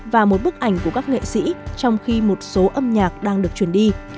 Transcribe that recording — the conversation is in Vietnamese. và một bức ảnh của các nghệ sĩ trong khi một số âm nhạc đang được truyền đi